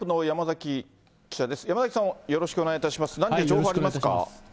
山崎さん、よろしくお願いいたします。